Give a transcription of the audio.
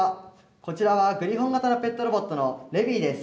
こちらはグリフォン型のペットロボットのレビーです。